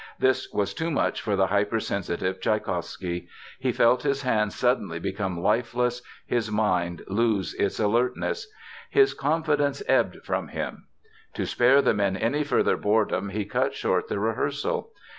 This was too much for the hypersensitive Tschaikowsky. He felt his hands suddenly become lifeless, his mind lose its alertness. His confidence ebbed from him. To spare the men any further boredom he cut short the rehearsal.